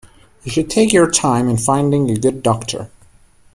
You should take your time in finding a good doctor.